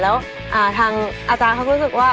แล้วอาจารย์เขาก็คงก็รู้สึกว่า